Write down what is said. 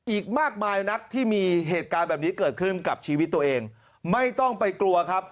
อีกมากมายนักที่มีเหตุการณ์แบบนี้เกิดขึ้นกับชีวิตตัวเองไม่ต้องไปกลัวครับ